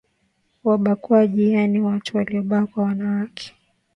wabakwaji yaani watu waliobakwa wanawake